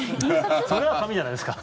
それは紙じゃないですか。